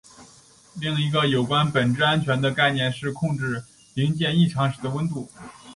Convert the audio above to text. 另一个有关本质安全的概念是控制零件异常时的温度。